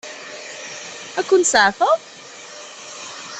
Ad ken-seɛfeɣ?